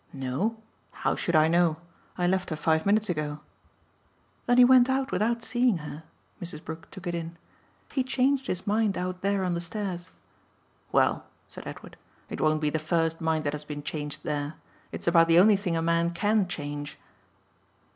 "Know how should I know? I left her five minutes ago." "Then he went out without seeing her." Mrs. Brook took it in. "He changed his mind out there on the stairs." "Well," said Edward, "it won't be the first mind that has been changed there. It's about the only thing a man can change."